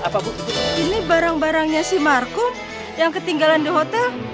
pak ini barang barangnya si markum yang ketinggalan di hotel